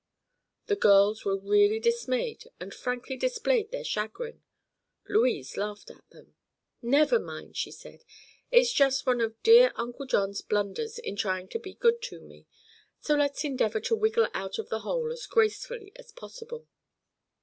The girls were really dismayed and frankly displayed their chagrin. Louise laughed at them. "Never mind," she said; "it's just one of dear Uncle John's blunders in trying to be good to me; so let's endeavor to wiggle out of the hole as gracefully as possible."